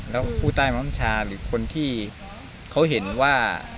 แล้วผู้ใต้บังคับชาหรือคนที่เขาเห็นว่า